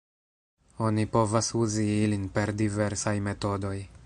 Oni povas uzi ilin per diversaj metodoj.